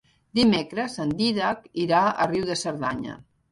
Dimecres en Dídac irà a Riu de Cerdanya.